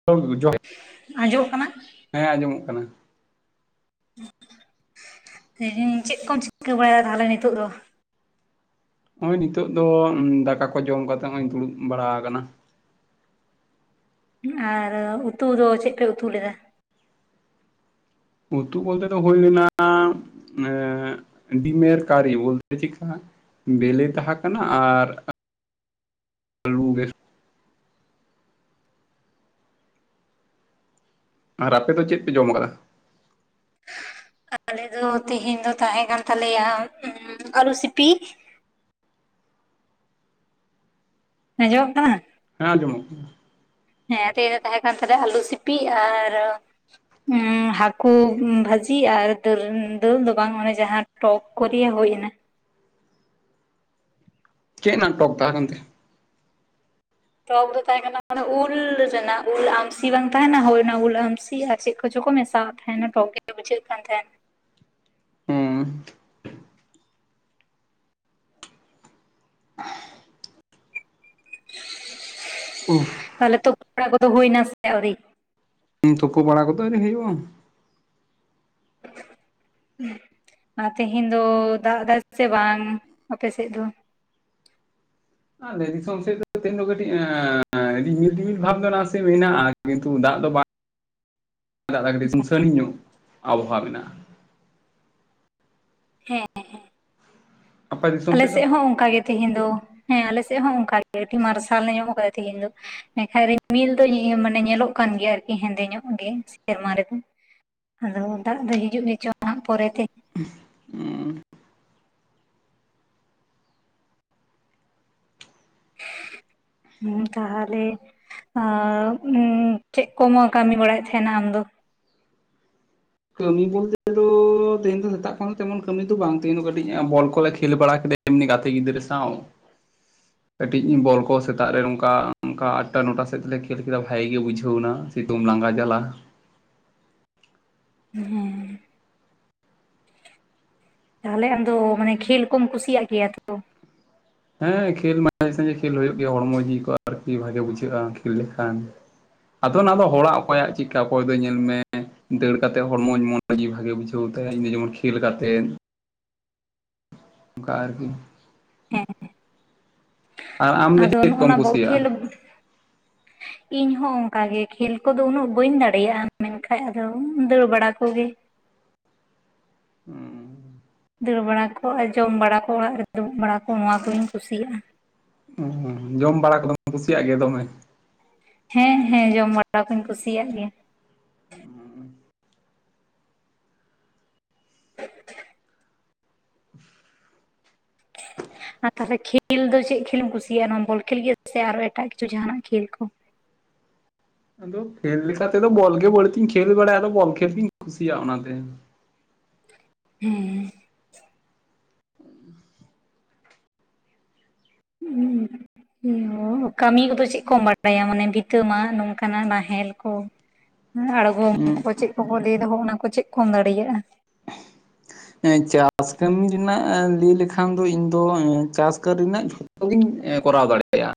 [unintelligible] ᱟᱸᱡᱚᱢᱚᱜ ᱠᱟᱱᱟ? ᱦᱮᱸ ᱟᱸᱡᱚᱢᱚᱜ ᱠᱟᱱᱟ ᱞᱟᱹᱭ‌ ᱤᱧ ᱪᱮᱫ ᱠᱚᱢ ᱪᱤᱠᱟᱹ ᱵᱟᱲᱟᱭᱟ ᱛᱟᱦᱚᱞᱮ ᱱᱤᱛᱚᱜ ᱫᱚ ᱱᱚᱜᱚᱭ ᱱᱤᱛᱚᱜ ᱫᱚ ᱫᱟᱠᱟ ᱠᱚ ᱡᱚᱢ ᱠᱟᱛᱮᱜ ᱦᱚᱸᱜ ᱤᱧ ᱫᱩᱲᱩᱵ ᱵᱟᱲᱟ ᱟᱠᱟᱱᱟ ᱟᱨ ᱩᱛᱩ ᱫᱚ ᱪᱮᱫ ᱯᱮ ᱩᱛᱩ ᱞᱮᱫᱟ? ᱩᱛᱩ ᱵᱚᱞᱛᱮ ᱫᱚ ᱦᱩᱭ ᱞᱮᱱᱟ ᱰᱤᱢᱮᱨ ᱠᱟᱨᱤ ᱵᱚᱞᱛᱮ ᱵᱮᱞᱤ ᱛᱟᱦᱮᱸ ᱠᱟᱱᱟ ᱟᱨ ᱟᱞᱩ ᱜᱮ ᱟᱨ ᱟᱯᱮ ᱫᱚ ᱪᱮᱫ ᱯᱮ ᱡᱚᱢ ᱟᱠᱟᱫᱟ ᱟᱞᱮ ᱫᱚ ᱛᱮᱦᱮᱧ ᱫᱚ ᱛᱟᱦᱮᱸ ᱠᱟᱱ ᱛᱟᱞᱮᱭᱟ ᱟᱹᱞᱩ ᱥᱤᱯᱤ ᱟᱡᱚᱢᱚᱜ ᱠᱟᱱᱟ ᱦᱮᱸ ᱟᱡᱚᱢᱚᱠ ᱦᱮᱸ ᱫᱚ ᱛᱟᱦᱮᱸ ᱠᱟᱱ ᱛᱟᱞᱮ ᱟᱞᱩ ᱥᱤᱯᱤ ᱟᱨ ᱦᱟᱹᱠᱩ ᱵᱷᱟᱹᱡᱤ ᱟᱨ ᱫᱟᱹᱞ ᱫᱟᱹᱞ ᱫᱚ ᱵᱟᱝ ᱚᱱᱮ ᱡᱟᱦᱟᱸ ᱴᱚᱯ ᱠᱚᱨᱮ ᱦᱩᱭ ᱮᱱᱟ ᱪᱮ ᱱᱟᱴᱳᱠ ᱛᱟᱦᱮᱱ ᱠᱟᱱᱛᱮ ᱴᱚᱠ ᱫᱚ ᱛᱟᱦᱮᱸ ᱠᱟᱱᱟ ᱢᱟᱱ ᱩᱞ ᱨᱮᱱᱟᱜ ᱩᱞ ᱟᱢᱥᱤ ᱵᱟᱝ ᱛᱟᱦᱮᱱᱟ ᱦᱚᱭ ᱨᱮᱱᱟᱜ ᱩᱞ ᱟᱢᱥᱤ ᱟᱨ ᱪᱮᱫ ᱠᱚᱪᱚ ᱠᱚ ᱢᱮᱥᱟᱫᱟ ᱦᱮ ᱴᱚᱞ ᱛᱮ ᱵᱩᱡᱷᱟᱹᱜ ᱠᱟᱱ ᱛᱟᱦᱮᱱ ᱦᱩᱸ ᱦᱦ ᱛᱟᱦᱚᱞᱮ ᱛᱚ ᱛᱚᱲᱟ ᱠᱚᱫᱚ ᱦᱩᱭ ᱱᱟ ᱥᱮ ᱟᱹᱣᱨᱤ ᱛᱩᱯ ᱵᱟᱲᱟ ᱠᱚᱫᱚ ᱮᱱᱨᱤ ᱦᱩᱭᱩᱜᱼᱟ ᱦᱮᱸ ᱟᱨ ᱛᱮᱦᱮᱧ ᱫᱚ ᱫᱟᱜ ᱮᱫᱟ ᱥᱮ ᱵᱟᱝ ᱟᱯᱮᱥᱮᱫ ᱫᱚ ᱟ ᱫᱤᱥᱚᱢ ᱥᱮᱫ ᱫᱚ ᱠᱟᱹᱴᱤᱡ ᱟᱟ ᱟᱹᱰᱤ ᱢᱤᱞ ᱫᱤᱢᱤᱞ ᱵᱷᱟᱵ ᱫᱚ ᱱᱟᱥᱮ ᱢᱮᱱᱟᱜᱼᱟ ᱠᱤᱱᱛᱩ ᱫᱟᱜ ᱫᱚ ᱵᱟᱝ ᱫᱟᱫᱟᱴᱤᱡ ᱥᱟᱹᱱᱤ ᱧᱚᱜ ᱟᱵᱚᱦᱟᱣᱟ ᱢᱮᱱᱟᱜᱼᱟ ᱦᱮᱸ ᱦᱮᱸ ᱦᱮᱸ ᱟᱯᱮ ᱫᱤᱥᱚᱢ ᱥᱮᱫ ᱫᱚ ᱟᱞᱮᱥᱮᱫ ᱦᱚᱸ ᱚᱱᱠᱟᱜ ᱜᱮ ᱛᱮᱦᱤᱧ ᱫᱚ ᱦᱮᱸ ᱟᱞᱮᱥᱮᱫ ᱦᱚᱸ ᱚᱱᱠᱟᱜᱮ ᱟᱹᱰᱤ ᱢᱟᱨᱥᱟᱞ ᱧᱚᱜ ᱟᱠᱟᱫᱟ ᱛᱮᱦᱮᱧ ᱫᱚ ᱮᱠᱷᱟᱡ ᱨᱤᱢᱤᱞ ᱫᱚ ᱧᱮᱞᱚᱜ ᱠᱟᱱ ᱜᱮᱭᱟ ᱟᱨᱠᱤ ᱦᱮᱸᱫᱮ ᱧᱚᱜ ᱜᱮ ᱥᱮᱨᱢᱟ ᱨᱮᱫᱚ ᱟᱫᱚ ᱫᱟᱜ ᱫᱚ ᱦᱤᱡᱩᱜ ᱜᱮᱪᱚᱝ ᱦᱟᱜ ᱯᱚᱨᱮ ᱛᱮ [inaudible] ᱦᱩᱸ ᱛᱟᱦᱚᱞᱮ ᱟ ᱚ ᱪᱮᱫ ᱠᱚᱢᱚ ᱠᱟᱹᱢᱤ ᱵᱟᱲᱟᱭᱮᱫ ᱛᱟᱦᱮᱱᱟ ᱟᱢᱫᱚ ᱠᱟᱹᱢᱤ ᱵᱚᱞᱛᱮ ᱫᱚ ᱛᱮᱦᱮᱧ ᱫᱚ ᱥᱮᱛᱟᱜ ᱠᱷᱚᱱ ᱫᱚ ᱛᱮᱢᱚᱱ ᱠᱟᱹᱢᱤ ᱫᱚ ᱵᱟᱝ ᱛᱟᱦᱮᱭᱟ ᱠᱟᱹᱴᱤᱡ ᱵᱚᱞ ᱠᱚᱞᱮ ᱠᱷᱮᱞ ᱵᱟᱲᱟ ᱠᱮᱫᱟ ᱮᱢᱱᱤ ᱜᱟᱛᱮ ᱜᱤᱫᱽᱨᱟᱹ ᱥᱟᱶ ᱠᱟᱹᱴᱤᱡ ᱵᱚᱞ ᱠᱚ ᱥᱮᱛᱟᱜ ᱨᱮ ᱚᱱᱠᱟ ᱚᱱᱠᱟ ᱟᱴᱴᱟ ᱱᱚᱴᱟ ᱥᱮᱫ ᱛᱮᱞᱮ ᱠᱷᱮᱞ ᱠᱮᱫᱟ ᱵᱷᱟᱜ ᱜᱮ ᱵᱩᱡᱷᱟᱹᱣ ᱮᱱᱟ ᱥᱤᱛᱩᱢ ᱞᱟᱝᱜᱟ ᱡᱟᱞᱟ ᱦᱮᱸ ᱛᱟᱦᱚᱞᱮ ᱟᱢᱫᱚ ᱢᱟᱱᱮ ᱠᱷᱮᱞ ᱠᱚᱢ ᱠᱩᱥᱤᱭᱟᱜ ᱜᱮᱭᱟ ᱛᱚ ᱦᱮᱸ ᱠᱷᱮᱞ ᱢᱟᱡᱷᱮ ᱥᱟᱡᱷᱮ ᱠᱷᱮᱞ ᱦᱩᱭᱩᱜ ᱜᱮᱭᱟ ᱦᱚᱲᱢᱚ ᱡᱤᱣ ᱠᱚᱜᱼᱟ ᱟᱨᱠᱤ ᱵᱷᱟᱜᱮ ᱵᱩᱡᱷᱟᱹᱜᱼᱟ ᱠᱷᱮᱞ ᱞᱮᱠᱷᱟᱱ ᱟᱫᱚ ᱚᱱᱟ ᱫᱚ ᱦᱚᱲᱟᱜ ᱚᱠᱚᱭᱟᱜ ᱪᱮᱫᱠᱟ ᱚᱠᱚᱭ ᱫᱚ ᱧᱮᱞ ᱢᱮ ᱫᱟᱹᱲ ᱠᱟᱛᱮᱫ ᱦᱚᱲᱢᱚ ᱢᱚᱱᱚ ᱜᱮ ᱵᱷᱟᱜᱮ ᱵᱩᱡᱷᱟᱹᱣ ᱛᱟᱭᱟ ᱤᱧ ᱫᱚ ᱡᱮᱢᱚᱱ ᱠᱷᱮᱞ ᱠᱟᱛᱮᱫ ᱜᱟᱨ ᱜᱮ ᱦᱮᱸ ᱟᱨ ᱟᱢ ᱫᱚ ᱟᱫᱚ ᱪᱮᱫ ᱱᱚᱜᱼᱚᱱᱟ ᱠᱚᱢ ᱵᱚᱞ ᱠᱩᱥᱤᱭᱟᱜᱼᱟ ᱠᱷᱮᱹᱞ ᱤᱧ ᱦᱚᱸ ᱚᱱᱠᱟᱟᱜ ᱜᱮ᱾ ᱠᱷᱮᱞ ᱠᱚᱫᱚ ᱩᱱᱟᱹᱜ ᱵᱟᱹᱧ ᱫᱟᱲᱮᱭᱟᱜᱼᱟ᱾ ᱢᱮᱱᱠᱷᱟᱡ ᱟᱫᱚ ᱫᱟᱹᱲ ᱵᱟᱲᱟ ᱠᱚᱜᱮ᱾ ᱦᱮᱸ ᱫᱟᱹᱲ ᱵᱟᱲᱟ ᱠᱚ ᱟᱨ ᱡᱚᱢ ᱵᱟᱲᱟ ᱠᱚ ᱚᱲᱟᱜ ᱨᱮ ᱫᱩᱲᱩᱵ ᱵᱟᱲᱟ ᱠᱚ ᱱᱚᱣᱟ ᱠᱚᱜᱤᱧ ᱠᱩᱥᱤᱭᱟᱜᱼᱟ ᱦᱚ ᱡᱚᱢ ᱵᱟᱲᱟ ᱠᱚᱫᱚᱢ ᱠᱩᱥᱤᱭᱟᱜ ᱜᱮᱭᱟ ᱫᱚᱢᱮ ᱦᱮᱸ ᱦᱮᱸ ᱡᱚᱢ ᱵᱟᱲᱟ ᱠᱩᱧ ᱠᱩᱥᱤᱭᱟᱜ ᱜᱮᱭᱟ ᱦᱩᱸ ᱟᱨ ᱛᱟᱦᱚᱞᱮ ᱠᱷᱮᱞ ᱫᱚ ᱪᱮᱫ ᱠᱷᱮᱞ ᱮᱢ ᱠᱩᱥᱤᱭᱟᱜᱼᱟ ᱱᱚᱣᱟ ᱵᱚᱞ ᱠᱷᱮᱞ ᱜᱮ ᱥᱮ ᱟᱨᱚ ᱮᱴᱟᱜ ᱠᱤᱪᱷᱩ ᱡᱟᱦᱟᱱᱟᱜ ᱠᱷᱮᱞ ᱠᱚ ᱟᱫᱚ ᱠᱷᱮᱞ ᱞᱮᱠᱟ ᱛᱮᱫᱚ ᱵᱚᱞ ᱜᱮ ᱵᱟᱹᱲᱛᱤᱧ ᱠᱷᱮᱞ ᱵᱟᱲᱟᱭᱟ ᱟᱫᱚ ᱵᱚᱞ ᱠᱷᱮᱞ ᱛᱤᱧ ᱠᱩᱥᱤᱭᱟᱜᱼᱟ ᱚᱱᱟᱛᱮ ᱦᱮᱸ ᱦᱮᱸ ᱤᱭᱟᱹ ᱠᱟᱹᱢᱤ ᱠᱚᱫᱚ ᱪᱮᱫ ᱠᱚᱢ ᱵᱟᱲᱟᱭᱟ ᱢᱟᱱᱮ ᱵᱤᱛᱟᱹᱢᱟᱜ, ᱱᱚᱝᱠᱟᱱᱟᱜ ᱱᱟᱦᱮᱞ ᱠᱚ? ᱟᱬᱜᱚᱢ ᱠᱚ, ᱪᱮᱫ ᱠᱚᱠᱚ ᱞᱟᱹᱭ ᱫᱚ ᱦᱚᱭ ᱚᱱᱟ ᱠᱚ ᱪᱮᱫ ᱠᱚᱢ ᱫᱟᱲᱮᱭᱟᱜᱼᱟ? ᱦᱮᱸ ᱪᱟᱥ ᱠᱟᱹᱢᱤ ᱨᱮᱱᱟᱜ ᱞᱟᱹᱭ ᱞᱮᱠᱷᱟᱱ ᱫᱚ ᱤᱧ ᱫᱚ ᱪᱟᱥ ᱠᱟᱹᱨᱤ ᱨᱮᱱᱟᱜ ᱡᱷᱚᱛᱚ᱾ ᱠᱚ ᱜᱤᱧ ᱠᱚᱨᱟᱣ ᱫᱟᱲᱮᱭᱟᱜᱼᱟ᱾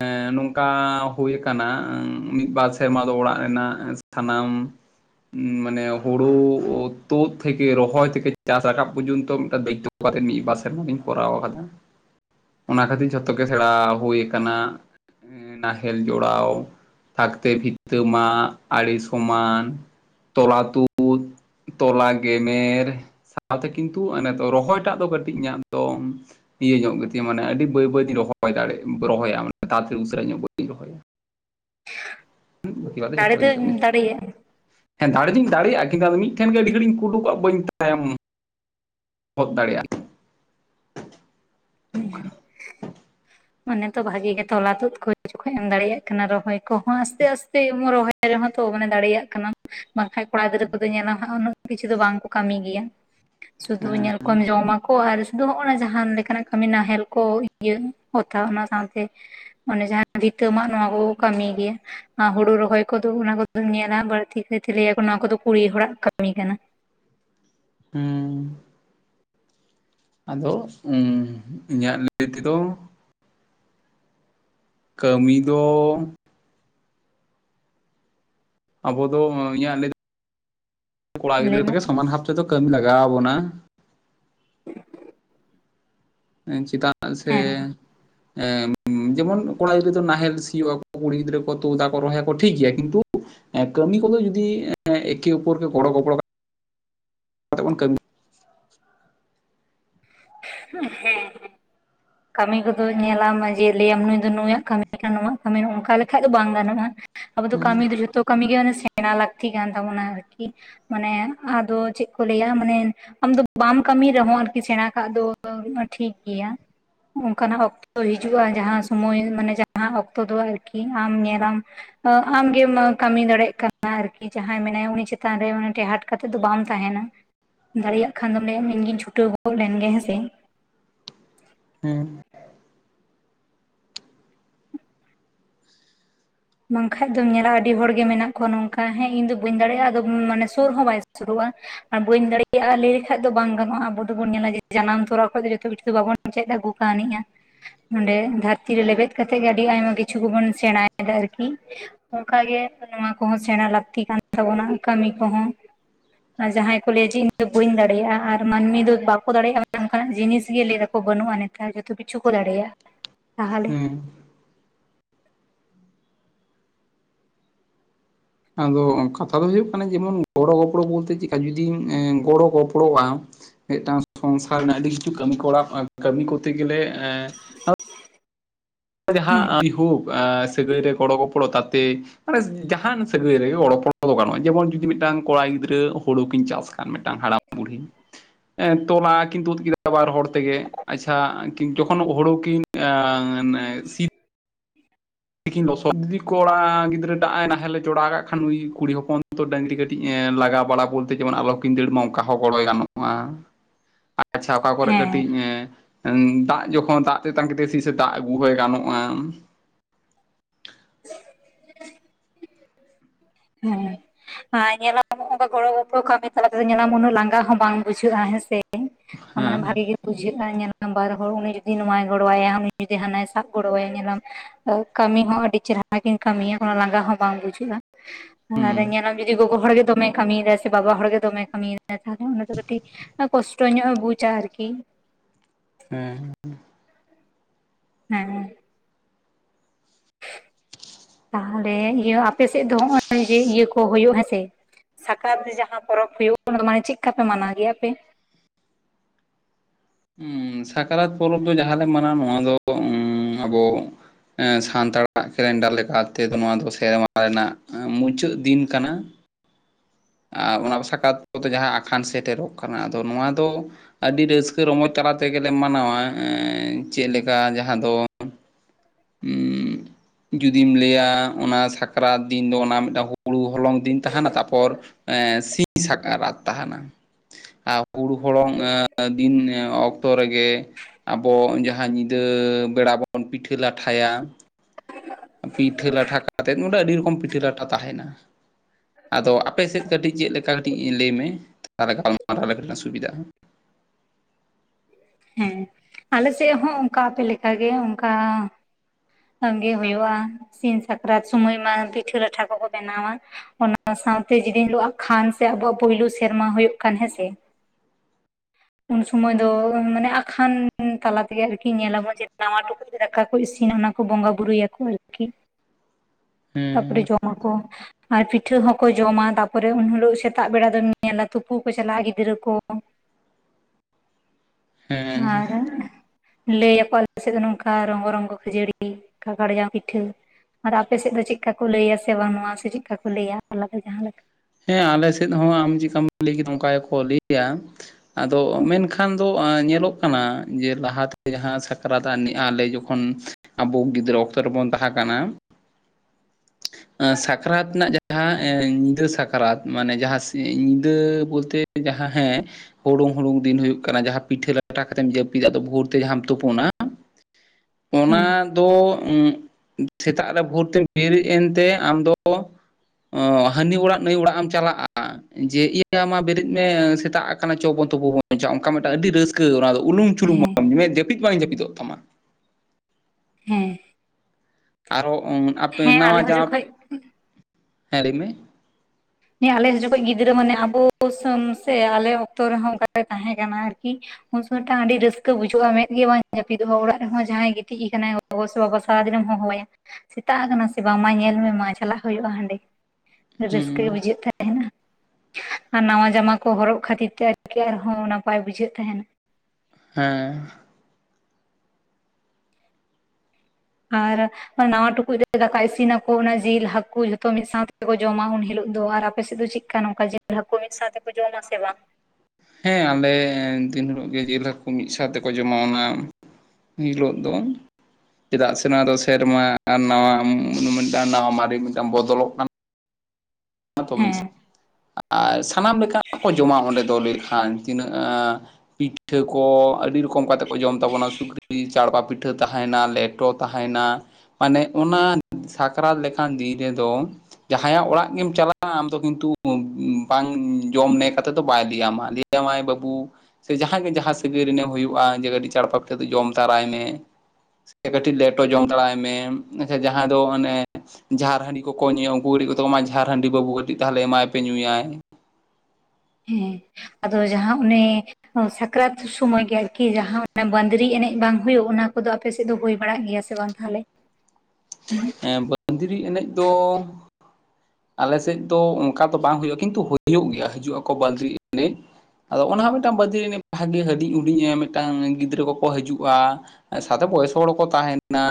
ᱦᱮᱸ ᱱᱚᱝᱠᱟ ᱦᱩᱭ ᱟᱠᱟᱱᱟ ᱢᱤᱫ ᱵᱟᱨ ᱥᱮᱨᱢᱟ ᱫᱚ ᱚᱲᱟᱜ ᱨᱮᱱᱟᱜ ᱥᱟᱱᱟᱢ ᱢᱟᱱᱮ ᱦᱩᱲᱩ ᱛᱳᱫᱷ ᱛᱷᱮᱠᱮ ᱨᱚᱦᱚᱭ ᱛᱷᱮᱠᱮ ᱪᱟᱥ ᱨᱟᱠᱟᱜ ᱯᱚᱨᱡᱚᱱᱛᱚ ᱢᱤᱫ ᱫᱟᱭᱤᱛᱛᱚ᱾ ᱚᱲᱟᱜ ᱨᱮ ᱢᱤᱫ ᱵᱟᱨ ᱥᱮᱨᱢᱟ ᱞᱤᱧ ᱠᱚᱨᱟᱣ ᱟᱠᱟᱫᱟ᱾ ᱚᱱᱟ ᱠᱷᱟᱹᱛᱤᱨ ᱡᱷᱚᱛᱚ ᱜᱮ ᱥᱮᱬᱟ ᱦᱩᱭ ᱟᱠᱟᱱᱟ᱾ ᱠᱟᱱᱟ᱾ ᱱᱟᱦᱮᱞ ᱡᱚᱲᱟᱣ, ᱛᱷᱟᱠᱛᱮ ᱯᱷᱤᱛᱟᱹ ᱢᱟᱜ, ᱟᱲᱮ ᱥᱚᱢᱟᱱ, ᱛᱚᱞᱟ ᱛᱩᱫ, ᱛᱚᱞᱟ ᱜᱮᱢᱮᱨ, ᱥᱟᱶᱛᱮ ᱠᱤᱱᱛᱩ ᱚᱱᱮᱛᱚ ᱨᱚᱦᱚᱭᱴᱟᱜ ᱫᱚ ᱠᱟᱹᱴᱤᱡ ᱤᱧᱟᱹᱜ ᱫᱚ ᱤᱭᱟᱹ ᱧᱚᱜ ᱜᱮᱛᱤᱧᱟ ᱢᱟᱱᱮ ᱟᱹᱰᱤ ᱵᱟᱹᱭ ᱵᱟᱹᱭ ᱛᱤᱧ ᱨᱚᱦᱚᱭ ᱫᱟᱲᱮᱜ ᱨᱚᱦᱚᱭᱟ᱾ ᱢᱟᱱᱮ ᱛᱟᱲᱟ ᱛᱟᱲᱤ ᱩᱥᱟᱹᱨᱟ ᱧᱚᱜ ᱵᱟᱹᱧ ᱨᱚᱦᱚᱭᱟ ᱵᱟᱹᱠᱤᱭᱟᱜ ᱫᱚ ᱫᱟᱲᱮ ᱡᱷᱚᱛᱚ ᱜᱮᱧ ᱫᱚᱧ ᱠᱟᱹᱢᱤᱭᱟ᱾ ᱫᱟᱲᱮᱭᱟᱜᱼᱟ ᱦᱮᱸ ᱫᱟᱲᱮ ᱫᱩᱧ ᱫᱟᱲᱮᱭᱟᱜᱼᱟ, ᱠᱤᱱᱛᱩ ᱢᱤᱫᱴᱷᱮᱱ ᱜᱮ ᱟᱹᱰᱤ ᱜᱷᱟᱹᱲᱤᱡ ᱤᱧ ᱠᱩᱰᱩ ᱠᱚᱜᱼᱟ᱾ ᱛᱟᱭᱚᱢ ᱦᱚᱛ ᱫᱟᱲᱮᱭᱟᱜᱼᱟ᱾ ᱦᱩᱸ᱾ ᱢᱟᱱᱮ ᱛᱚ ᱵᱷᱟᱜᱤ ᱜᱮ ᱛᱚᱞᱟ ᱛᱩᱫ ᱠᱚ ᱮᱢ ᱫᱟᱲᱮᱭᱟᱜ ᱠᱟᱱᱟ ᱨᱚᱦᱚᱭ ᱠᱚᱦᱚᱸ ᱟᱥᱛᱮ ᱟᱥᱛᱮ ᱨᱚᱦᱚᱭ ᱨᱮᱦᱚᱸ ᱛᱚ ᱢᱟᱱᱮ ᱫᱟᱲᱮᱭᱟᱜ ᱠᱟᱱᱟᱢ᱾ ᱵᱟᱝᱠᱷᱟᱱ ᱠᱚᱲᱟ ᱜᱤᱫᱽᱨᱟᱹ ᱠᱚᱫᱚ ᱧᱮᱞᱟᱢ ᱩᱱᱟᱹᱜ ᱠᱤᱪᱷᱩ ᱫᱚ ᱵᱟᱝ ᱠᱚ ᱠᱟᱹᱢᱤ ᱜᱮᱭᱟ᱾ ᱥᱩᱫᱩ ᱧᱮᱞ ᱠᱚᱢ ᱡᱚᱢᱟᱠᱚ ᱟᱨ ᱥᱩᱫᱩ ᱱᱚᱜ ᱱᱟ ᱡᱟᱦᱟᱸ ᱞᱮᱠᱟᱱᱟᱜ ᱠᱟᱹᱢᱤ ᱱᱟᱦᱮᱞ ᱠᱚ ᱤᱭᱟᱹ ᱚᱛᱷᱟ ᱚᱱᱟ ᱥᱟᱶᱛᱮ ᱢᱟᱱᱮ ᱡᱟᱦᱟᱸᱭ ᱵᱷᱤᱛᱟᱹ ᱢᱟᱜ ᱱᱚᱣᱟ ᱠᱚᱠᱚ ᱠᱟᱹᱢᱤᱭ ᱜᱮᱭᱟ᱾ ᱟᱨ ᱦᱩᱲᱩ ᱨᱚᱦᱚᱭ ᱠᱚᱫᱚ ᱚᱱᱟ ᱠᱚᱫᱚᱢ ᱧᱮᱞᱟ ᱵᱟᱹᱲᱛᱤ ᱠᱟᱭᱛᱮ ᱞᱟᱹᱭᱟᱠᱚ ᱱᱚᱣᱟ ᱠᱚᱫᱚ ᱠᱩᱲᱤ ᱦᱚᱲᱟᱜ ᱠᱟᱹᱢᱤ ᱠᱟᱱᱟ᱾ ᱦᱮᱸ᱾ ᱟᱫᱚ ᱤᱧᱟᱹᱜ ᱞᱟᱹᱭ ᱛᱮᱫᱚ ᱠᱟᱹᱢᱤ ᱫᱚ ᱟᱵᱚ ᱫᱚ ᱤᱧᱟᱹᱜ ᱞᱟᱹᱭ ᱠᱚᱲᱟ ᱞᱟᱹᱭ ᱜᱤᱫᱽᱨᱟᱹ ᱢᱮ ᱠᱚᱜᱮ ᱥᱚᱢᱟᱱ ᱵᱷᱟᱵᱽ ᱛᱮᱫᱚ ᱠᱟᱹᱢᱤ ᱞᱟᱜᱟᱣ ᱟᱵᱚᱱᱟ᱾ ᱦᱮᱸ᱾ ᱪᱮᱫᱟᱜ ᱥᱮ ᱡᱮᱢᱚᱱ ᱠᱚᱲᱟ ᱜᱤᱫᱽᱨᱟᱹ ᱫᱚ ᱱᱟᱦᱮᱞ ᱥᱤᱭᱳᱜᱼᱟ ᱠᱚ, ᱠᱩᱲᱤ ᱜᱤᱫᱽᱨᱟᱹ ᱠᱚ ᱛᱳᱫᱟ ᱠᱚ, ᱨᱚᱦᱚᱭᱟ ᱠᱚ ᱴᱷᱤᱠ ᱜᱮᱭᱟ ᱠᱤᱱᱛᱩ ᱠᱟᱹᱢᱤ ᱠᱚᱫᱚ ᱡᱩᱫᱤ ᱮᱠᱮ ᱩᱯᱚᱨ ᱜᱮ ᱜᱚᱲᱚ ᱜᱚᱯᱚᱲᱚ ᱠᱟ [inaudible] ᱛᱮ ᱵᱚᱱ ᱠᱟᱹᱢᱤ ᱦᱮᱸ ᱦᱮᱸ᱾ ᱠᱟᱹᱢᱤ ᱠᱚᱫᱚ ᱧᱮᱞᱟᱢ ᱡᱮ ᱞᱟᱹᱭᱟᱢ ᱱᱩᱭ ᱫᱚ ᱱᱩᱭᱟᱜ ᱠᱟᱹᱢᱤ ᱠᱟᱱᱟ ᱱᱚᱶᱟᱭᱟᱜ ᱠᱟᱹᱢᱤ ᱱᱚᱝᱠᱟ ᱞᱮᱠᱟᱱ ᱫᱚ ᱵᱟᱝ ᱜᱟᱱᱚᱜᱼᱟ᱾ ᱟᱵᱚ ᱫᱚ ᱠᱟᱹᱢᱤ ᱫᱚ ᱡᱷᱚᱛᱚ ᱠᱟᱹᱢᱤ ᱜᱮ ᱢᱟᱱᱮ ᱥᱮᱬᱟ ᱞᱟᱹᱠᱛᱤ ᱠᱟᱱ ᱛᱟᱵᱚᱱᱟ ᱟᱨᱠᱤ᱾ ᱢᱟᱱᱮ ᱟᱫᱚ ᱪᱮᱫ ᱠᱚ ᱞᱟᱹᱭᱟ ᱢᱟᱱᱮ ᱟᱢ ᱫᱚ ᱵᱟᱢ ᱠᱟᱹᱢᱤ ᱨᱮᱦᱚᱸ ᱟᱨᱠᱤ ᱥᱮᱬᱟ ᱟᱫᱚ ᱴᱷᱤᱠ ᱜᱮᱭᱟ᱾ ᱚᱱᱠᱟᱱᱟᱜ ᱚᱠᱛᱚ ᱦᱤᱡᱩᱜᱼᱟ᱾ ᱡᱟᱦᱟᱸ ᱥᱚᱢᱚᱭ ᱢᱟᱱᱮ ᱡᱟᱦᱟᱸ ᱚᱠᱛᱚ ᱫᱚ ᱟᱨᱠᱤ ᱟᱢ ᱧᱮᱞᱟᱢ ᱟᱢᱜᱮᱢ ᱠᱟᱹᱢᱤ ᱫᱟᱲᱮᱭᱟᱜ ᱠᱟᱱᱟ ᱟᱨᱠᱤ ᱡᱟᱦᱟᱸᱭ ᱢᱮᱱᱟᱭᱟ ᱩᱱᱤ ᱪᱮᱛᱟᱱ ᱨᱮ ᱴᱮᱦᱟᱸᱴ ᱠᱟᱛᱮᱫ ᱫᱚ ᱵᱟᱢ ᱛᱟᱦᱮᱱᱟ᱾ ᱫᱟᱲᱮᱭᱟᱜ ᱠᱷᱟᱱ ᱫᱚᱢ ᱞᱟᱹᱭᱟᱢ ᱤᱧᱜᱤᱧ ᱪᱷᱩᱴᱟᱹᱣ ᱜᱚᱫ ᱞᱮᱱᱜᱮ ᱦᱮᱸᱥᱮ᱾ ᱦᱩᱸᱢ᱾ ᱵᱟᱝᱠᱷᱟᱡ ᱫᱚᱢ ᱧᱮᱞᱟ ᱟᱹᱰᱤ ᱦᱚᱲᱜᱮ ᱢᱮᱱᱟᱜ ᱠᱚᱣᱟ, ᱱᱚᱝᱠᱟ ᱦᱮᱸ ᱤᱧ ᱫᱚ ᱵᱟᱹᱧ ᱫᱟᱲᱮᱭᱟᱜᱼᱟ ᱟᱫᱚ ᱢᱟᱱᱮ ᱥᱩᱨ ᱦᱚᱸ ᱵᱟᱭ ᱥᱩᱨᱩᱜᱼᱟ ᱾ ᱟᱨ ᱵᱟᱹᱧ ᱫᱟᱲᱮᱭᱟᱜᱼᱟ ᱞᱟᱹᱭ ᱞᱮᱠᱷᱟᱱ ᱫᱚ ᱵᱟᱹᱧ ᱫᱟᱲᱮᱭᱟᱜ-ᱟ ᱞᱟᱹᱭ ᱞᱮᱠᱷᱟᱱ ᱫᱚ ᱵᱟᱝ ᱜᱟᱱᱚᱜᱼᱟ᱾ ᱟᱵᱚ ᱫᱚᱵᱚᱱ ᱧᱮᱞᱟ ᱡᱮ ᱡᱟᱱᱟᱢ ᱛᱚᱨᱟ ᱠᱷᱚᱱ ᱡᱚᱛᱚ ᱠᱤᱪᱷᱩ ᱫᱚ ᱵᱟᱵᱚᱱ ᱪᱮᱫ ᱟᱹᱜᱩ ᱠᱟᱹᱣᱱᱤᱼᱟ᱾ ᱱᱚᱸᱰᱮ ᱫᱷᱟᱹᱨᱛᱤ ᱨᱮ ᱞᱮᱵᱮᱫ ᱠᱟᱛᱮᱜ ᱜᱮ ᱟᱹᱰᱤ ᱟᱭᱢᱟ ᱠᱤᱪᱷᱩ ᱜᱮᱵᱚᱱ ᱥᱮᱬᱟᱭᱟ᱾ ᱟᱨᱠᱤ ᱚᱱᱠᱟᱜᱮ ᱱᱚᱣᱟ ᱠᱚᱦᱚᱸ ᱥᱮᱬᱟ ᱞᱟᱹᱠᱛᱤ ᱠᱟᱱ ᱛᱟᱵᱚᱱᱟ ᱠᱟᱹᱢᱤ ᱠᱚᱦᱚᱸ ᱟᱨ ᱡᱟᱦᱟᱸᱭ ᱠᱚ ᱞᱟᱹᱭᱟ ᱡᱮ ᱤᱧ ᱫᱚ ᱵᱟᱹᱧ ᱫᱟᱲᱮᱭᱟᱜᱼᱟ, ᱟᱨ ᱢᱟᱹᱱᱢᱤ ᱫᱚ ᱵᱟᱠᱚ ᱫᱟᱲᱮᱭᱟᱜᱼᱟ ᱚᱱᱠᱟᱱ ᱡᱤᱱᱤᱥ ᱜᱮ ᱞᱟᱹᱭ ᱫᱟᱠᱚ ᱠᱚ ᱵᱟᱹᱱᱩᱜᱼᱟ᱾ ᱱᱮᱛᱟᱨ ᱡᱚᱛᱚ ᱠᱤᱪᱷᱩ ᱠᱚ ᱫᱟᱲᱮᱭᱟᱜ-ᱟ᱾ ᱦᱩᱸ᱾ ᱟᱫᱚ ᱠᱟᱛᱷᱟ ᱫᱚ ᱦᱩᱭᱩᱜ ᱠᱟᱱᱟ ᱡᱮᱢᱚᱱ ᱜᱚᱲᱚᱼ ᱜᱚᱯᱲᱚ ᱵᱚᱞᱛᱮ ᱪᱮᱫᱠᱟ ᱡᱩᱫᱤᱢ ᱜᱚᱲᱚ ᱜᱚᱯᱚᱲᱚ ᱟᱢ ᱢᱤᱫᱴᱟᱝ ᱥᱚᱝᱥᱟᱨ ᱨᱮᱱᱟᱜ ᱟᱹᱰᱤ ᱠᱤᱪᱷᱩ ᱠᱟᱹᱢᱤ ᱠᱚᱨᱴᱲᱟ ᱠᱟᱹᱢᱤ ᱠᱚᱛᱛᱮ ᱜᱮᱞᱮ ᱮᱸᱻ ᱡᱟᱦᱟᱸ ᱦᱮᱸ ᱟᱭ ᱦᱳᱯ ᱥᱟᱹᱜᱟᱹᱭ ᱨᱮ ᱜᱚᱲᱚ ᱜᱚᱯᱚᱲᱚ ᱛᱟᱛᱮ ᱢᱟᱱᱮ ᱡᱟᱦᱟᱱ ᱥᱟᱹᱜᱟᱹᱭ ᱨᱮᱜᱮ, ᱜᱚᱲᱚ-ᱜᱚᱯᱲᱚ ᱫᱚ ᱜᱟᱱᱚᱜᱼᱟ᱾ ᱡᱮᱢᱚᱱ ᱡᱩᱫᱤ ᱢᱤᱫᱴᱟᱝ ᱠᱚᱲᱟ ᱜᱤᱫᱽᱨᱟᱹ ᱦᱩᱲᱩ ᱠᱤᱱ ᱪᱟᱥ ᱠᱷᱟᱱ ᱢᱤᱫᱴᱟᱝ ᱦᱟᱲᱟᱢ ᱵᱩᱲᱦᱤ ᱛᱚᱞᱟ ᱠᱤᱱ ᱛᱩᱫ ᱠᱮᱫᱟ, ᱵᱟᱨ ᱦᱚᱲ ᱛᱮᱜᱮ ᱟᱪᱪᱷᱟ ᱡᱚᱠᱷᱚᱱ ᱦᱩᱲᱩ ᱠᱤᱱ ᱟᱱ [unintelligible] ᱛᱤᱠᱤᱱ ᱞᱚᱥᱚᱫ, ᱡᱩᱫᱤ ᱠᱚᱲᱟ ᱜᱤᱫᱽᱨᱟᱹ ᱴᱟᱜ ᱮ ᱱᱟᱦᱮᱞ ᱮ ᱡᱚᱲᱟᱣᱮᱫ ᱠᱷᱟᱱ᱾ ᱩᱱᱤ ᱠᱩᱲᱤ ᱦᱚᱯᱚᱱ ᱛᱚ ᱰᱟᱹᱝᱨᱤ [unintelligible] ᱛᱤᱧ ᱞᱟᱜᱟ ᱵᱟᱲᱟ, ᱵᱚᱞᱛᱮ ᱡᱮᱢᱚᱱ ᱟᱞᱚ ᱠᱤᱱ ᱫᱟᱹᱲ ᱢᱟ ᱚᱱᱠᱟ ᱦᱚᱸ ᱜᱚᱲᱚᱭ ᱜᱟᱱᱚᱜ ᱢᱟ᱾ ᱟᱪᱪᱷᱟ ᱚᱠᱟ ᱠᱚᱨᱜ ᱦᱮᱸ ᱠᱟᱹᱴᱤᱡ ᱮᱸ [unintelligible] ᱫᱟᱜ ᱡᱚᱠᱷᱚᱱ ᱫᱟᱜ ᱛᱮᱛᱟᱝ ᱠᱮᱫ ᱪᱮᱮ, [unintelligible] ᱥᱮ ᱫᱟᱜ ᱟᱹᱜᱩ ᱦᱚᱭ ᱜᱟᱱᱚᱜᱼᱟ ᱾ [unintelligible] ᱦᱮᱸ ᱟᱨ ᱧᱮᱞᱟ ᱱᱚᱝᱠᱟ ᱜᱚᱲᱚ ᱜᱚᱯᱚᱲᱚ ᱠᱟᱹᱢᱤ ᱛᱟᱞᱟ ᱛᱮ, ᱧᱮᱞᱟᱢ ᱩᱱᱟᱹᱜ ᱞᱟᱸᱜᱟ ᱦᱚᱸ ᱵᱟᱝ ᱵᱩᱡᱷᱟᱹᱜᱼᱟ ᱦᱮᱸᱥᱮ? ᱦᱮᱸ [unintelligible] ᱵᱩᱡᱷᱟᱹᱜᱼᱟ ᱾ ᱧᱮᱞᱟᱢ ᱵᱟᱨ ᱦᱚᱲ ᱩᱱᱤ ᱡᱩᱫᱤ ᱱᱚᱣᱟᱭ ᱜᱚᱲᱚ ᱟᱭᱟ, ᱩᱱᱤ ᱡᱩᱫᱤ ᱦᱟᱱᱟᱭ ᱥᱟᱵ ᱜᱚᱲᱚᱣᱟᱭᱟ ᱧᱮᱞᱟᱢ ᱠᱟᱹᱢᱤ ᱦᱚᱸ ᱟᱹᱰᱤ ᱪᱮᱦᱨᱟ ᱠᱤᱱ ᱠᱟᱹᱢᱤᱭᱟ, ᱟᱨ ᱞᱟᱸᱜᱟ ᱦᱚᱸ ᱵᱟᱝ ᱵᱩᱡᱷᱟᱹᱜᱼᱟ ᱾ ᱦᱩᱸ ᱟᱨ ᱧᱮᱞᱟᱢ ᱡᱩᱫᱤ ᱜᱚᱜᱚ ᱦᱚᱲ ᱜᱮ ᱫᱚᱢᱮ ᱠᱟᱹᱢᱤᱭᱮᱫᱟᱭ ᱥᱮ, ᱵᱟᱵᱟ ᱦᱚᱲᱜᱮ ᱫᱚᱢᱮ ᱠᱟᱹᱢᱤᱭᱮᱫᱟ ᱛᱟᱦᱚᱞᱮ ᱚᱱᱟ ᱫᱚ ᱠᱟᱹᱴᱤᱡ ᱠᱚᱥᱴᱚ ᱧᱚᱜ ᱮ ᱵᱩᱡᱟ ᱟᱨᱠᱤ ᱦᱮᱸ ᱦᱮᱸ ᱛᱟᱦᱟᱞᱮ ᱤᱭᱟᱹ ᱟᱯᱮ ᱥᱮᱫ ᱫᱚ ᱦᱚᱜᱼᱚᱭ ᱡᱮ ᱤᱭᱟᱹ ᱠᱚ ᱦᱩᱭᱳᱜ ᱦᱮᱸᱥᱮ? ᱥᱟᱠᱨᱟᱛ ᱨᱮ ᱡᱟᱦᱟᱸ ᱯᱚᱨᱚᱵᱽ ᱦᱩᱭᱩᱜ ᱠᱟᱱᱟ, ᱚᱱᱟᱫᱚ ᱢᱟᱱᱮ ᱪᱮᱫ ᱞᱮᱠᱟ ᱯᱮ ᱢᱟᱱᱟᱣ ᱜᱮᱭᱟᱯᱮ? ᱥᱟᱠᱨᱟᱛ ᱯᱚᱨᱚᱵᱽ ᱫᱚ ᱡᱟᱦᱟᱸᱞᱮ ᱢᱟᱱᱟᱣ ᱱᱚᱣᱟ ᱫᱚ ᱟᱵᱚ [unintelligible] ᱥᱟᱱᱛᱟᱲᱟᱜ ᱠᱮᱞᱮᱱᱰᱟᱨ ᱞᱮᱠᱟ ᱛᱮᱫᱚ ᱱᱚᱣᱟ ᱫᱚ ᱥᱮᱨᱢᱟ ᱨᱮᱱᱟᱜ ᱢᱩᱪᱟᱹᱫ ᱫᱤᱱ ᱠᱟᱱᱟ ᱾ ᱟᱨ ᱚᱱᱟ ᱥᱟᱠᱨᱟᱛ ᱠᱚᱛᱮ, ᱡᱟᱸᱦᱟ ᱟᱠᱷᱟᱱ ᱥᱮᱴᱮᱨᱚᱜ ᱠᱟᱱᱟ ᱟᱫᱚ ᱱᱚᱶᱟ ᱫᱚ ᱟᱹᱰᱤ ᱨᱟᱹᱥᱠᱟᱹ ᱨᱚᱢᱚᱡᱽ ᱛᱟᱞᱟ ᱛᱮᱜᱮᱞᱮ ᱢᱟᱱᱟᱣᱟ ᱮᱸ ᱪᱮᱫ ᱞᱮᱠᱟ ᱡᱟᱦᱟᱸ ᱫᱚ [inaudible] [unintelligible] ᱡᱩᱫᱤᱢ ᱞᱟᱹᱭᱟ ᱚᱱᱟ ᱥᱟᱠᱨᱟᱛ ᱫᱤᱱ ᱫᱚ ᱾ ᱚᱱᱟ ᱢᱤᱫᱴᱟᱝ ᱦᱩᱲᱩ ᱦᱚᱞᱚᱝ ᱫᱤᱱ ᱛᱟᱦᱮᱱᱟ ᱛᱟᱨᱯᱚᱨ ᱮ ᱥᱤᱧ ᱥᱟᱠᱟᱨᱟᱛ ᱛᱟᱦᱮᱱᱟ ᱟᱣ ᱦᱩᱲᱩ ᱦᱚᱲᱚᱝ ᱫᱤᱱ ᱚᱠᱛᱚ ᱨᱮᱜᱮ ᱟᱵᱚ ᱡᱟᱦᱟᱸ ᱧᱤᱫᱟᱹ ᱵᱮᱲᱟ ᱵᱚᱱ ᱯᱤᱴᱷᱟᱹ ᱞᱟᱴᱷᱟᱭᱟ ᱯᱤᱴᱷᱟᱹ ᱞᱟᱴᱷᱟ ᱠᱟᱛᱮᱫ ᱱᱚᱰᱮ, ᱟᱹᱰᱤ ᱨᱚᱠᱚᱢ ᱯᱤᱴᱷᱟᱹ ᱞᱟᱴᱷᱟ ᱛᱟᱦᱮᱱᱟ ᱾ ᱟᱫᱚ ᱟᱯᱮ ᱥᱮᱫ ᱠᱟᱹᱴᱤᱡ ᱪᱮᱫ ᱞᱮᱠᱟ ᱠᱟᱹᱴᱤᱡ ᱞᱟᱹᱭᱢᱮ ᱛᱟᱦᱚᱞᱮ ᱜᱟᱞᱢᱟᱨᱟᱣ ᱨᱮ ᱠᱟᱹᱴᱤᱡ ᱞᱟᱝ ᱥᱩᱵᱤᱫᱟᱜᱼᱟ? ᱦᱮᱸ ᱟᱞᱮᱥᱮᱜ ᱦᱚᱸ ᱚᱱᱠᱟ ᱟᱯᱮ ᱞᱮᱠᱟᱜᱮ ᱚᱱᱠᱟ ᱥᱟᱸᱜᱮ ᱦᱩᱭᱳᱜᱭᱼᱟ ᱥᱤᱧ ᱥᱟᱠᱨᱟᱛ ᱥᱚᱢᱚᱭ ᱢᱟ ᱯᱤᱴᱷᱟᱹ ᱞᱟᱴᱷᱟ ᱠᱚᱠᱚ ᱵᱮᱱᱟᱣᱟ ᱾ ᱚᱱᱟ ᱥᱟᱶᱛᱮ ᱡᱮᱫᱤᱱ ᱦᱤᱞᱚᱜ ᱟᱠᱷᱟᱱ ᱥᱮ, ᱟᱵᱚᱣᱟᱜ ᱯᱩᱭᱞᱩ ᱥᱮᱨᱢᱟ ᱦᱩᱭᱩᱜ ᱠᱷᱟᱱ ᱦᱮᱸᱥᱮ [inaudible] ᱩᱱᱥᱚᱢᱚᱭ ᱫᱚ ᱢᱟᱱᱮ ᱟᱠᱷᱟᱱ ᱛᱟᱞᱟ ᱛᱮᱜᱮ ᱟᱨᱠᱤ ᱧᱮᱞᱟᱵᱚᱱ, ᱡᱮ ᱱᱟᱣᱟ ᱴᱩᱠᱩᱡ ᱨᱮ ᱫᱟᱠᱟ ᱠᱚ ᱤᱥᱤᱱᱟ ᱚᱱᱟ ᱠᱚ ᱵᱚᱸᱜᱟ ᱵᱩᱨᱩᱭᱟᱠᱚ ᱟᱨᱠᱤ ᱦᱮᱸ [unintelligible] ᱛᱟᱨᱯᱚᱨᱮ ᱡᱚᱢᱟ ᱠᱚ ᱟᱨ ᱯᱤᱴᱷᱟᱹ ᱦᱚᱸᱠᱚ ᱡᱚᱢᱟ, ᱛᱟᱨᱯᱚᱨᱮ ᱩᱱᱦᱤᱞᱚᱜ ᱥᱮᱛᱟᱜ ᱵᱮᱲᱟ ᱫᱚᱢ ᱧᱮᱞᱟ, ᱛᱩᱯᱩ ᱠᱚ ᱪᱟᱞᱟᱜᱼᱟ ᱜᱤᱫᱽᱨᱟᱹ ᱠᱚ ᱾ [inaudible] ᱦᱮᱸ ᱟᱨ ᱞᱟᱹᱭᱟᱠᱚ ᱟᱞᱮ ᱥᱮᱫ ᱫᱚ ᱱᱚᱝᱠᱟ, ᱨᱚᱝᱜᱚ ᱨᱚᱝᱜᱚ ᱠᱷᱟᱹᱡᱟᱹᱲᱤ [unintelligible] ᱠᱟᱠᱟᱲ ᱡᱟᱝ ᱯᱤᱴᱷᱟᱹ ᱟᱨ ᱟᱯᱮ ᱥᱮᱫ ᱫᱚ ᱪᱮᱫᱠᱟ ᱠᱚ ᱞᱟᱹᱭᱟ ᱥᱮ ᱵᱟᱝ? ᱱᱚᱣᱟ ᱥᱮ ᱪᱮᱫᱠᱟ ᱠᱚ ᱞᱟᱹᱭᱟ ᱟᱱᱟᱫᱚ ᱡᱟᱸᱦᱟ ᱞᱮᱠᱟ ᱦᱮᱸ ᱟᱞᱮ ᱥᱮᱫ ᱦᱚᱸ ᱟᱢ ᱡᱮᱠᱟᱢ ᱞᱟᱹᱭ ᱠᱮᱫᱟ ᱚᱱᱠᱟ ᱜᱮᱠᱚ ᱞᱮᱭᱟ ᱾ ᱟᱫᱚ ᱢᱮᱱᱠᱷᱟᱱ ᱫᱚ ᱧᱮᱞᱚᱜ ᱠᱟᱱᱟ ᱡᱮ, ᱞᱟᱦᱟᱛᱮ ᱡᱟᱸᱦᱟ ᱥᱟᱠᱨᱟᱛ ᱟᱨ ᱟᱞᱮ ᱡᱚᱠᱷᱚᱱ ᱡᱚᱠᱷᱚᱱ ᱟᱵᱚ ᱜᱤᱫᱽᱨᱟᱹ ᱚᱠᱛᱚ ᱨᱮᱵᱚᱱ ᱛᱟᱦᱮᱸ ᱠᱟᱱᱟ ᱮᱸ ᱥᱟᱠᱨᱟᱛ ᱨᱮᱱᱟᱜ ᱡᱟᱸᱦᱟ ᱮᱸ ᱧᱤᱫᱟᱹ ᱥᱟᱠᱨᱟᱛ ᱥᱟᱠᱨᱟᱛ ᱢᱟᱱᱮ ᱡᱟᱸᱦᱟ ᱧᱤᱫᱟᱹ ᱵᱚᱞᱛᱮ ᱡᱟᱸᱦᱟ ᱦᱮᱸ ᱦᱩᱲᱩᱝ ᱦᱩᱲᱩᱝ ᱫᱤᱱ ᱦᱩᱭᱩᱜ ᱠᱟᱱᱟ ᱡᱟᱸᱦᱟ ᱯᱤᱴᱷᱟᱹ ᱞᱟᱴᱷᱟ ᱠᱟᱛᱮᱢ ᱡᱟᱹᱯᱤᱫᱟ ᱟᱫᱚ ᱵᱷᱳᱨ ᱛᱮ ᱡᱟᱸᱦᱟᱢ ᱛᱩᱯᱩᱱᱟ [unintelligible] ᱚᱱᱟ ᱦᱮᱸ ᱫᱚ ᱩᱸᱜ ᱥᱮᱛᱟᱜ ᱨᱮ ᱵᱷᱳᱨ ᱛᱮᱢ ᱵᱮᱨᱮᱫ ᱮᱱᱛᱮ ᱟᱢ ᱫᱚ ᱚ ᱦᱟᱹᱱᱤ ᱚᱲᱟᱜ ᱱᱟᱹᱭ ᱚᱲᱟᱜ ᱮᱢ ᱪᱟᱞᱟᱜᱼᱟ ᱡᱮ ᱤᱭᱟᱹ ᱢᱟ ᱵᱮᱨᱮᱫ ᱢᱮ ᱥᱮᱛᱟᱜ ᱠᱟᱱᱟ ᱪᱚ ᱵᱚᱱ ᱛᱳᱯᱳ ᱵᱚᱱ ᱪᱟᱞᱟᱜ ᱟ ᱚᱱᱠᱟ ᱢᱤᱫᱴᱟᱝ ᱟᱹᱰᱤ ᱨᱟᱹᱥᱠᱟᱹ ᱚᱱᱟ ᱫᱚ ᱩᱞᱩᱢ ᱪᱩᱞᱩᱢᱚᱜ ᱦᱮᱸ ᱟᱢ ᱢᱮᱫ ᱡᱟᱹᱯᱤᱫ ᱵᱟᱝ ᱡᱟᱹᱯᱤᱫᱚᱜ ᱛᱟᱢᱟ ᱦᱮᱸ ᱟᱨᱦᱚ ᱩᱸ ᱟᱯᱮ ᱦᱮᱸ ᱱᱟᱣᱟ ᱟᱞᱮ ᱦᱚᱸ ᱡᱟᱸᱦᱟ ᱡᱚᱠᱷᱚᱡ ᱦᱮᱸ ᱞᱟᱹᱭ ᱢᱮ ᱦᱮᱸ ᱟᱞᱮ ᱡᱚᱠᱷᱚᱡ ᱜᱤᱫᱽᱨᱟᱹ ᱢᱟᱱᱮ ᱟᱵᱚ [unintelligible] ᱥᱮ ᱟᱞᱮ ᱚᱠᱛᱚ ᱨᱮᱦᱚᱸ ᱚᱱᱠᱟᱜᱮ ᱛᱟᱸᱦᱮ ᱠᱟᱱᱟ ᱟᱨᱠᱤ ᱩᱱ ᱥᱚᱢᱚᱭᱴᱟ ᱟᱹᱰᱤ ᱨᱟᱹᱥᱠᱟᱹ ᱵᱩᱡᱷᱟᱹᱜᱼᱟ ᱢᱮᱫ ᱜᱮ ᱵᱟᱝ ᱡᱟᱹᱯᱤᱫᱚᱜᱼᱟ ᱚᱲᱟᱜ ᱨᱮᱦᱚᱸ ᱡᱟᱸᱦᱟᱭ ᱜᱤᱛᱤᱡ ᱠᱟᱱᱟᱭ ᱚᱵᱚᱥᱳ ᱵᱟᱵᱟ ᱥᱟᱨᱟᱫᱤᱱᱮᱢ ᱦᱚᱦᱚ ᱟᱭᱟ ᱥᱮᱛᱟᱜ ᱠᱟᱱᱟ ᱥᱮ ᱵᱟᱝ ᱢᱟ ᱧᱮᱞ ᱢᱮ ᱢᱟ ᱪᱟᱞᱟᱜ ᱦᱳᱭᱳᱜᱼᱟ ᱦᱟᱸᱰᱮ ᱨᱟᱹᱥᱠᱟᱹ ᱜᱮ ᱦᱩᱸ ᱵᱩᱡᱷᱟᱹᱜ ᱛᱟᱦᱮᱱᱟ ᱟᱨ ᱱᱟᱣᱟ ᱡᱟᱢᱟ ᱠᱚ ᱦᱚᱨᱚᱜ ᱠᱷᱟᱹᱛᱤᱨ ᱛᱮ ᱟᱨᱠᱤ ᱟᱨᱦᱚᱸ ᱱᱟᱯᱟᱭ ᱵᱩᱡᱷᱟᱹᱜ ᱛᱟᱦᱮᱱᱟ ᱦᱮᱸ ᱟᱨ ᱱᱟᱣᱟ ᱴᱩᱠᱩᱡ ᱨᱮ ᱫᱟᱠᱟ ᱤᱥᱤᱱᱟᱠᱚ ᱚᱱᱟ ᱡᱤᱞ ᱦᱟᱹᱠᱩ ᱡᱷᱚᱛᱚ ᱢᱤᱫ ᱥᱟᱸᱶᱛᱮ ᱠᱚ ᱡᱚᱢᱟ ᱩᱱ ᱦᱤᱞᱳᱜ ᱫᱚ ᱟᱨ ᱟᱯᱮ ᱥᱮᱫ ᱫᱚ ᱪᱮᱫ ᱱᱚᱝᱠᱟ ᱡᱤᱞ ᱦᱟᱹᱠᱩ ᱢᱤᱫ ᱥᱟᱸᱣᱛᱮ ᱠᱚ ᱡᱚᱢᱟ ᱥᱮ ᱵᱟᱝ? ᱦᱮᱸ ᱟᱞᱮ ᱫᱤᱱ ᱦᱤᱞᱳᱜ ᱜᱮ ᱡᱤᱞ ᱦᱟᱹᱠᱩ ᱢᱤᱫ ᱥᱟᱸᱣᱛᱮ ᱠᱚ ᱡᱚᱢᱟ ᱚᱱᱟ ᱦᱤᱞᱳᱜ ᱫᱚ ᱪᱮᱫᱟᱜ ᱥᱮ ᱱᱚᱣᱟ ᱫᱚ ᱥᱮᱨᱢᱟ ᱱᱟᱣᱟ ᱢᱤᱫᱴᱟᱝ ᱱᱟᱣᱟ ᱢᱟᱨᱮ ᱢᱤᱫᱴᱟᱝ ᱵᱚᱫᱚᱞᱚᱜ ᱠᱟᱱᱟ ᱦᱮᱸ [unintelligible] ᱥᱟᱱᱟᱢ ᱞᱮᱠᱟᱱᱟᱜ ᱠᱚ ᱡᱚᱢᱟ ᱚᱸᱰᱮ ᱫᱚ ᱞᱟᱹᱭ ᱞᱮᱠᱷᱟᱱ ᱛᱤᱱᱟᱹᱜ ᱮᱸ ᱯᱤᱴᱷᱟᱹ ᱠᱚ ᱟᱹᱰᱤ ᱨᱚᱠᱚᱢ ᱠᱟᱛᱮᱫ ᱠᱚ ᱡᱚᱢ ᱛᱟᱵᱚᱱᱟ ᱥᱩᱠᱨᱤ ᱡᱤᱞ ᱪᱟᱲᱯᱟ ᱯᱤᱴᱷᱟᱹ ᱛᱟᱦᱮᱱᱟ ᱞᱮᱴᱚ ᱛᱟᱦᱮᱱᱟ ᱢᱟᱱᱮ ᱚᱱᱟ ᱥᱟᱠᱨᱟᱛ ᱞᱮᱠᱟᱱ ᱫᱤᱱ ᱨᱮᱫᱚ ᱡᱟᱸᱦᱟᱭᱟᱜ ᱚᱲᱟᱜ ᱜᱮᱢ ᱪᱟᱞᱟᱜᱼᱟ ᱟᱢ ᱫᱚ ᱠᱤᱱᱛᱩ ᱵᱟᱝ ᱡᱚᱢ ᱱᱮ ᱠᱟᱛᱮ ᱫᱚ ᱵᱟᱭ ᱞᱟᱹᱭᱟᱢᱟ ᱞᱟᱹᱭᱟᱢᱟᱭ ᱵᱟᱹᱵᱩ ᱥᱮ ᱡᱟᱸᱦᱟ ᱜᱮ ᱡᱟᱸᱦᱟ ᱥᱟᱹᱜᱟᱹᱭ ᱨᱮᱱᱮ ᱦᱳᱭᱳᱜᱼᱟ ᱡᱮ ᱠᱟᱹᱴᱤᱡ ᱪᱟᱲᱯᱟ ᱯᱤᱴᱷᱟᱹ ᱫᱚ ᱡᱚᱢ ᱛᱟᱨᱟᱭ ᱢᱮ ᱥᱮ ᱠᱟᱹᱴᱤᱡ ᱞᱮᱴᱚ ᱡᱚᱢ ᱛᱟᱨᱟᱭ ᱢᱮ ᱟᱪᱪᱷᱟ ᱡᱟᱸᱦᱟᱭ ᱫᱚ ᱚᱱᱮ ᱡᱷᱟᱨ ᱦᱟᱺᱰᱤ ᱠᱚᱠᱚ ᱧᱩᱭᱟ ᱩᱱᱠᱩ ᱠᱟᱹᱴᱤᱡ ᱠᱚ [unintelligible] ᱡᱷᱟᱨ ᱦᱟᱺᱰᱤ ᱵᱟᱹᱵᱩ ᱠᱟᱹᱴᱤᱡ ᱛᱟᱦᱚᱞᱮ ᱮᱢᱟᱭ ᱯᱮ ᱧᱩᱭᱟᱭ ᱦᱮᱸ ᱟᱫᱚ ᱡᱟᱸᱦᱟ ᱚᱱᱮ ᱥᱟᱠᱨᱟᱛ ᱥᱩᱢᱚᱭ ᱜᱮ ᱟᱨᱠᱤ ᱡᱟᱸᱦᱟ ᱵᱟᱸᱫᱽᱨᱤ ᱮᱱᱮᱡ ᱵᱟᱝ ᱦᱩᱭᱩᱜ ᱚᱱᱟ ᱠᱚᱫᱚ ᱟᱯᱮ ᱥᱮᱫ ᱫᱚ ᱦᱩᱭ ᱵᱟᱲᱟᱜ ᱜᱮᱭᱟ ᱥᱮ ᱵᱟᱝ ᱦᱟᱞᱮ ᱮᱸ ᱵᱟᱹᱫᱽᱨᱤ ᱮᱱᱮᱡ ᱫᱚ ᱟᱞᱮ ᱥᱮᱫ ᱫᱚ ᱚᱱᱠᱟ ᱫᱚ ᱵᱟᱝ ᱦᱳᱭᱳᱜᱼᱟ ᱠᱤᱱᱛᱩ ᱦᱳᱭᱳᱜ ᱜᱮᱭᱟ ᱦᱤᱡᱩᱜᱼᱟ ᱠᱚ ᱵᱟᱹᱫᱽᱨᱤ ᱮᱱᱮᱡ ᱟᱫᱚ ᱚᱱᱟ ᱦᱚᱸ ᱢᱤᱫᱴᱟᱝ ᱵᱟᱹᱫᱽᱨᱤ ᱮᱱᱮᱡ ᱵᱷᱟᱜᱮ ᱦᱩᱰᱤᱧ ᱦᱩᱰᱤᱧ ᱢᱤᱫᱴᱟᱝ ᱜᱤᱫᱽᱨᱟᱹ ᱠᱚᱠᱚ ᱦᱤᱡᱩᱜᱼᱟ ᱥᱟᱣᱛᱮ ᱵᱚᱭᱮᱥ ᱦᱚᱲ ᱦᱚᱸ ᱠᱚ ᱛᱟᱦᱮᱱᱟ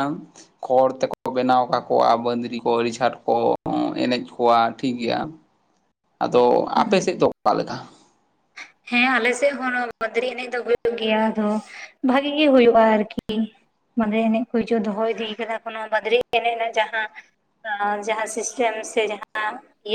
ᱠᱷᱚᱲ ᱛᱮᱠᱚ ᱵᱮᱱᱟᱣ ᱠᱟᱠᱚᱣᱟ ᱵᱟᱹᱫᱽᱨᱤ ᱠᱚ ᱟᱹᱰᱤ ᱪᱷᱟᱴ ᱠᱚ ᱮᱸ ᱮᱱᱮᱡ ᱠᱚ ᱠᱚᱣᱟ ᱴᱷᱤᱠ ᱜᱮᱭᱟ ᱟᱫᱚ ᱟᱯᱮ ᱥᱮᱫ ᱫᱚ ᱚᱠᱟ ᱞᱮᱠᱟ? ᱦᱮᱸ ᱟᱞᱮ ᱥᱮᱫ ᱦᱚᱸ ᱵᱟᱸᱫᱽᱨᱤ ᱮᱱᱮᱡ ᱫᱚ ᱦᱩᱭᱩᱜ ᱜᱮᱭᱟ ᱟᱫᱚ ᱵᱷᱟᱜᱮ ᱜᱮ ᱦᱳᱭᱳᱜᱼᱟ ᱟᱨᱠᱤ ᱵᱟᱹᱫᱽᱨᱤᱮ ᱮᱱᱮᱡ ᱠᱚ ᱦᱤᱡᱩᱜ ᱫᱚᱦᱚ ᱤᱫᱤ ᱠᱟᱫᱟ ᱠᱚ ᱱᱚᱣᱟ ᱵᱹᱟᱫᱽᱨᱤᱮ ᱮᱱᱮᱡ ᱨᱮᱱᱟᱜ ᱡᱟᱸᱦᱟ ᱮᱸ ᱡᱟᱸᱦᱟ ᱥᱤᱥᱴᱮᱢ ᱥᱮ ᱡᱟᱸᱦᱟ